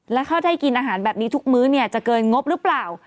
แล้วเขาได้กินอาหารแบบนี้ทุกมื้อเนี่ยจะเกินงบหรือเปล่า